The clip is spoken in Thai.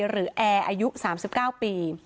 หรือแอร์อายุ๓๙ปี